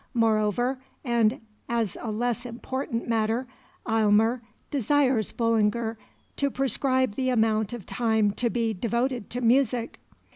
Moreover, and as a less important matter, Aylmer desires Bullinger to prescribe the amount of time to be devoted to music.